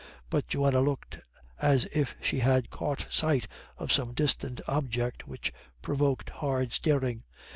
But Johanna looked as if she had caught sight of some distant object which provoked hard staring.